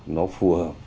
nó phù hợp